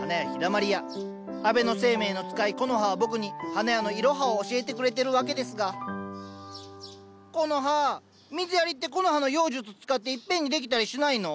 安倍晴明の使いコノハは僕に花屋のいろはを教えてくれてるわけですがコノハ水やりってコノハの妖術使っていっぺんにできたりしないの？